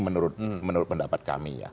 menurut pendapat kami